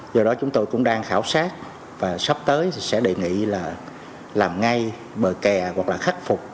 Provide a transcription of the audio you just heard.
do đó chúng tôi cũng đang khảo sát và sắp tới sẽ đề nghị là làm ngay bờ kè hoặc là khắc phục